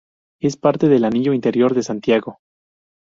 Es parte del Anillo interior de Santiago.